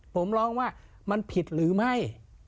ผมร้องว่ามันผิดหรือไม่